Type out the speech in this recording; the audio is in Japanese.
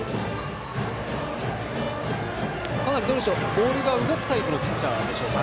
ボールが動くタイプのピッチャーでしょうか。